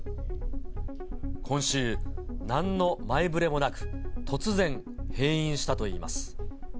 今週、なんの前触れもなく、突然、閉院したといいます。